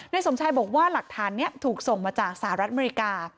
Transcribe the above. สมชายบอกว่าหลักฐานนี้ถูกส่งมาจากสหรัฐอเมริกา